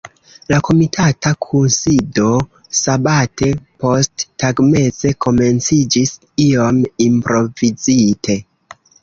La komitata kunsido sabate posttagmeze komenciĝis iom improvizite.